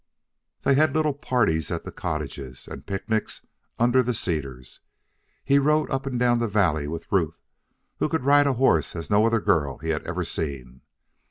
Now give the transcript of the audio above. They had little parties at the cottages and picnics under the cedars. He rode up and down the valley with Ruth, who could ride a horse as no other girl he had ever seen.